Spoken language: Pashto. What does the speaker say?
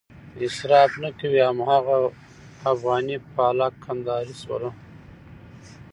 اصراف نه کوي هماغه افغاني پالک، کندهارۍ شوله.